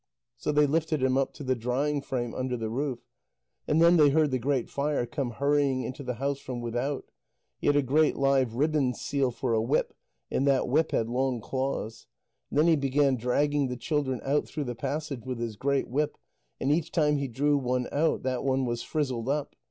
So they lifted him up to the drying frame under the roof. And then they heard the Great Fire come hurrying into the house from without. He had a great live ribbon seal for a whip, and that whip had long claws. And then he began dragging the children out through the passage with his great whip, and each time he drew one out, that one was frizzled up.